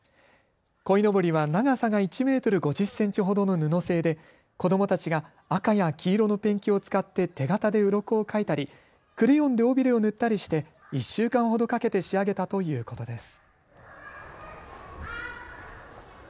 こいのぼりは長さが１メートル５０センチほどの布製で子どもたちが赤や黄色のペンキを使って手形でうろこを描いたりクレヨンで尾びれを塗ったりして１週間ほどかけて仕上げたということです。